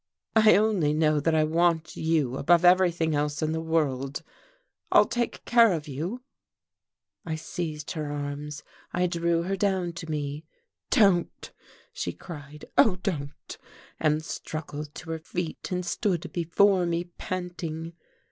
"I only know that I want you above everything else in the world I'll take care of you " I seized her arms, I drew her down to me. "Don't!" she cried. "Oh, don't!" and struggled to her feet and stood before me panting.